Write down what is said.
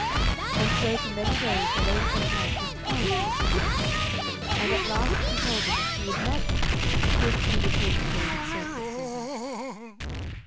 And so for many days the Lady Ettarde was kind to Sir Pelleas, and at last she told him that she would love him if he would win the golden circlet for her.